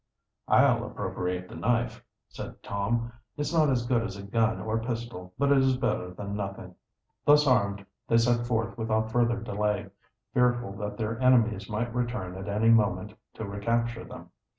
"I'll appropriate the knife," said Tom. "It's not as good as a gun or pistol, but it is better than nothing." Thus armed they set forth without further delay, fearful that their enemies might return at any moment to recapture them.